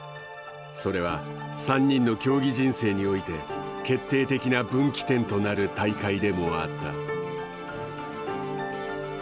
それは、３人の競技人生において決定的な分岐点となる大会でもあった。